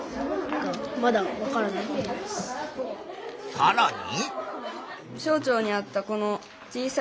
さらに。